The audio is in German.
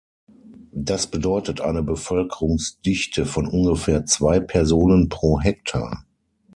Das bedeutet eine Bevölkerungsdichte von ungefähr zwei Personen pro Hektar.